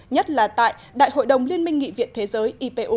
nhất là tại đại hội đồng liên minh nghị viện thế giới ipu